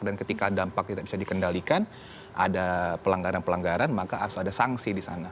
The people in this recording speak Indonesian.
dan ketika dampak tidak bisa dikendalikan ada pelanggaran pelanggaran maka asal ada sanksi disana